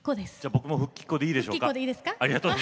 僕も復帰っ子でいいでしょうか。